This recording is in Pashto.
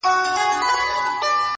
تا چي پر لمانځه له ياده وباسم،